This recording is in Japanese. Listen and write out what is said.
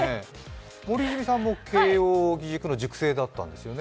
森泉さんも慶応義塾の塾生だったんですよね。